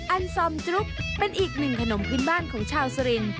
อันซอมจรุ๊ปเป็นอีกหนึ่งขนมพื้นบ้านของชาวสรินทร์